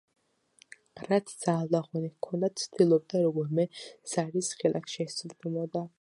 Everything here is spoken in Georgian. რაც ძალა და ღონე ჰქონდა, ცდილობდა როგორმე ზარის ღილაკს შესწვდომოდა